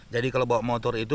jadi kalau bawa motor itu